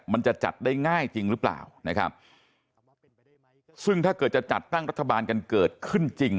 มันจะจัดได้ง่ายจริงหรือเปล่านะครับซึ่งถ้าเกิดจะจัดตั้งรัฐบาลกันเกิดขึ้นจริง